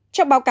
trong báo cáo